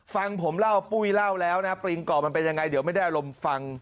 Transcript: ฟังผมเล่าปุ้ยเล่าแล้วนะปริงก่อมันเป็นยังไงเดี๋ยวไม่ได้อารมณ์ฟัง